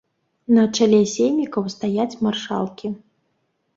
На чале сеймікаў стаяць маршалкі.